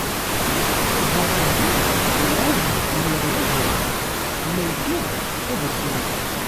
Ɣer Rebbi lɛebd ma yeɣleḍ, ma itub ad as-yeɛfu.